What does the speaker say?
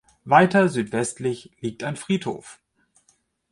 Weiter südwestlich liegt ein Friedhof.